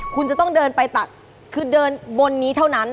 คุณจะต้องเดินไปตักคือเดินบนนี้เท่านั้น